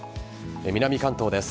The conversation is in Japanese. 南関東です。